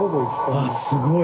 あすごい。